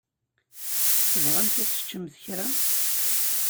Tebɣamt ad teččemt kra?